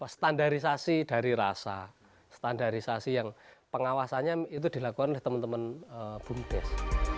standarisasi dari rasa standarisasi yang pengawasannya itu dilakukan oleh teman teman bumdes